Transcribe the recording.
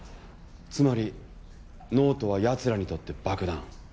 つまりノートはやつらにとって爆弾。